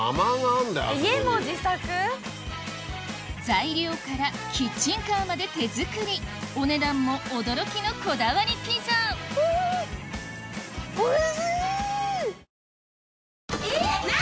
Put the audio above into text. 材料からキッチンカーまで手作りお値段も驚きのこだわりピザうん！